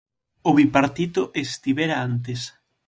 O Bipartito estivera antes.